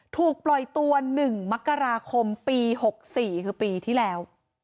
ถูกปล่อยตัว๑มกราคมปี๖๔คือปีที่แล้ว